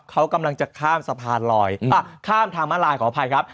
เขากำลังจะข้ามสะพานลอยข้ามทางมาลายขออภัยครับ